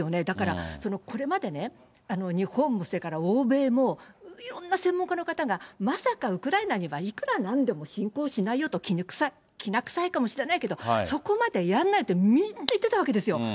だから、これまでね、日本も、それから欧米もいろんな専門家の方が、まさかウクライナには、いくらなんでも侵攻しないよと、きな臭いかもしれないけど、そこまでやんないと、みんな言ってたわけですよ。